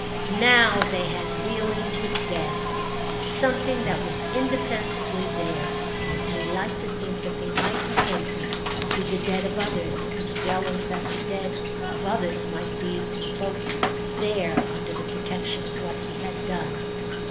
Now they had really, his Dead, something that was indefensibly theirs; and he liked to think that they might in cases be the Dead of others, as well as that the Dead of others might be invoked there under the protection of what he had done.